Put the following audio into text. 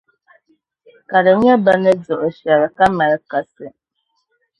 Ka di nyɛ bɛ ni duhi shɛli, ka mali kasi.